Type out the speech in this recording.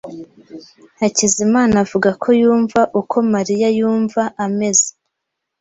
Hakizimana avuga ko yumva uko Mariya yumva ameze.